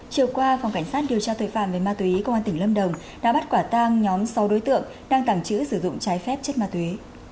chiều qua phòng cảnh sát điều tra tội phạm về ma túy công an tỉnh lâm đồng đã bắt quả tang nhóm sáu đối tượng đang tàng trữ sử dụng trái phép chất ma túy